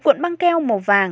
một cuộn băng keo màu vàng